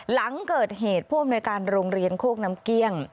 หลังเกิดเหตุผู้อำนวยการโรงเรียนโคกน้ำเกลี้ยง